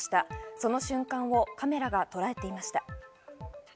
その瞬間をカメラがとらえていました。